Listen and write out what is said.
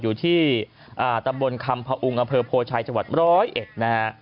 อยู่ที่ตำบลคำพออุงอำเภอโพชัยจังหวัดร้อยเอ็ดนะฮะ